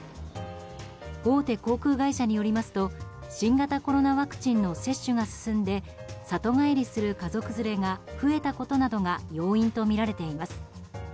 大手航空会社によりますと新型コロナワクチンの接種が進んで里帰りする家族連れが増えたことなどが要因とみられています。